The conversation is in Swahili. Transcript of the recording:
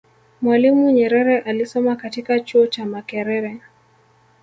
mwalimu Nyerere alisoma katika chuo cha makerere